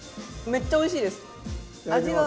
めっちゃおいしいです。